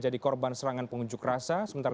jadi korban serangan pengunjuk rasa sementara